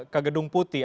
ke gedung putih